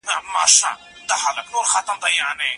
په کورنۍ زده کړه کې د ماشوم وړتیا نه پټېږي.